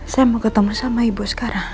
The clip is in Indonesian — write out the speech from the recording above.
saya mau ketemu sama ibu sekarang